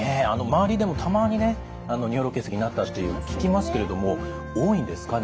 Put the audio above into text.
周りでもたまにね尿路結石になったって聞きますけれども多いんですか？